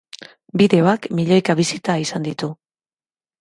Bideoak milioika bisita izan ditu.